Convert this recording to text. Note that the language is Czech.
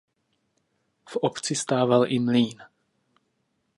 V obci stával i mlýn.